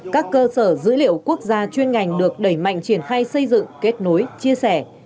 các cơ sở dữ liệu quốc gia chuyên ngành được đẩy mạnh triển khai xây dựng kết nối chia sẻ